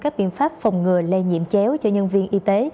các biện pháp phòng ngừa lây nhiễm chéo cho nhân viên y tế